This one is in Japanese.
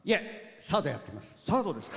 サードやってます。